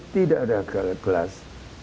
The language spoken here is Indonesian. tidak ada gelas